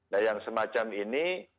nah yang semacam ini